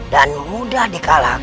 dan mudah dikalahkan